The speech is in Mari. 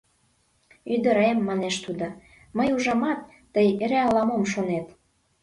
— Ӱдырем, — манеш тудо, — мый, ужамат, тый эре ала-мом шонет.